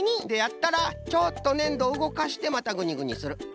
でやったらちょっとねんどをうごかしてまたグニグニする。